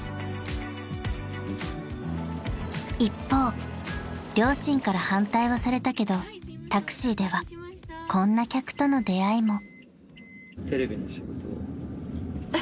［一方両親から反対はされたけどタクシーではこんな客との出会いも］え！